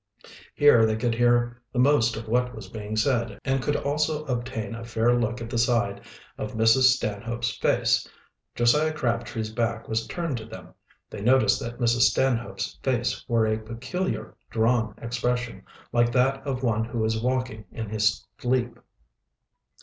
Here they could hear the most of what was being said, and could also obtain a fair look at the side of Mrs. Stanhope's face. Josiah Crabtree's back was turned to them. They noticed that Mrs. Stanhope's face wore a peculiar, drawn expression, like that of one who is walking in his sleep.